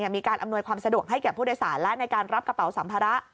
มีการอำนวยความสะดวกให้แก่ผู้โดยสารและในการรับกระเป๋าสัมภาระ